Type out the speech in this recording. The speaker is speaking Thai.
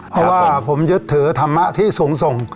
เพราะว่าผมยึดถือธรรมะที่สูงส่ง